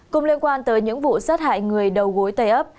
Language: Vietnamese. cùng liên quan tới những vụ sát hại người đầu gối tây ấp